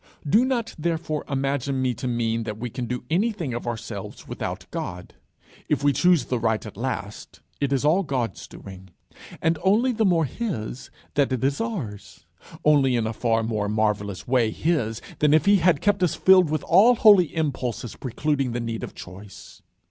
Do not, therefore, imagine me to mean that we can do anything of ourselves without God. If we choose the right at last, it is all God's doing, and only the more his that it is ours, only in a far more marvellous way his than if he had kept us filled with all holy impulses precluding the need of choice.